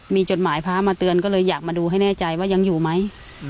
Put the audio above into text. มีจดหมายพระมาเตือนก็เลยอยากมาดูให้แน่ใจว่ายังอยู่ไหม